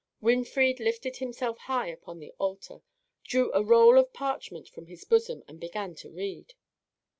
Winfried lifted himself high upon the altar, drew a roll of parchment from his bosom, and began to read.